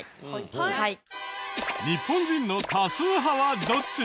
日本人の多数派はどっち？